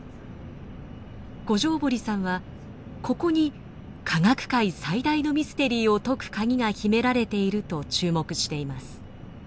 五條堀さんはここに科学界最大のミステリーを解く鍵が秘められていると注目しています。